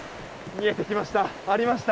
見えてきました。